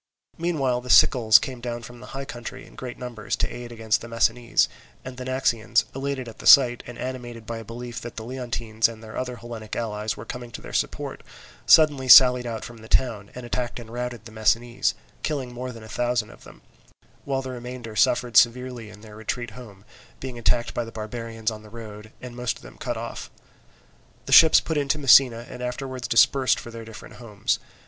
Meanwhile the Sicels came down from the high country in great numbers, to aid against the Messinese; and the Naxians, elated at the sight, and animated by a belief that the Leontines and their other Hellenic allies were coming to their support, suddenly sallied out from the town, and attacked and routed the Messinese, killing more than a thousand of them; while the remainder suffered severely in their retreat home, being attacked by the barbarians on the road, and most of them cut off. The ships put in to Messina, and afterwards dispersed for their different homes.